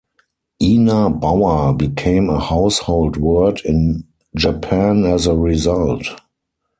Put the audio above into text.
"Ina Bauer" became a household word in Japan as a result.